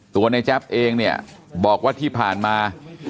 ตัวในแจ๊บเองเนี่ยบอกว่าที่ผ่านมา